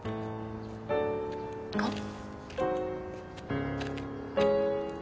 あっ。